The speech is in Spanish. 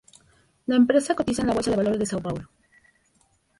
La empresa cotiza en la Bolsa de Valores de São Paulo.